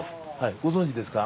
ご存じですか？